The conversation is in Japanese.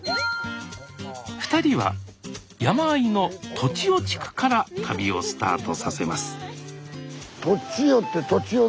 ２人は山あいの栃尾地区から旅をスタートさせます栃尾？